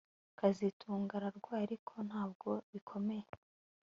kazitunga ararwaye ariko ntabwo bikomeye